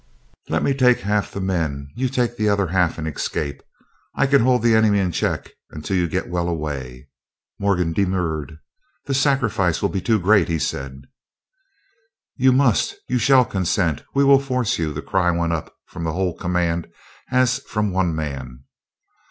Let me take half the men. You take the other half and escape. I can hold the enemy in check until you get well away." Morgan demurred. "The sacrifice will be too great," he said. "You must, you shall consent. We will force you," the cry went up from the whole command as from one man.